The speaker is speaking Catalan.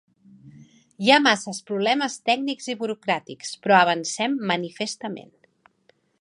Hi ha massa problemes tècnics i burocràtics, però avancem manifestament.